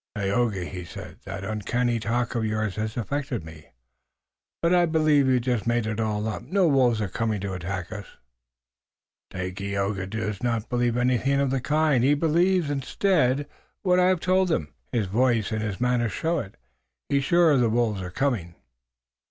"Tayoga," he said, "that uncanny talk of yours has affected me, but I believe you've just made it all up. No wolves are coming to attack us." "Dagaeoga does not believe anything of the kind. He believes, instead, what I have told him. His voice and his manner show it. He is sure the wolves are coming."